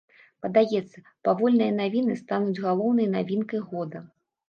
Падаецца, павольныя навіны стануць галоўнай навінкай года.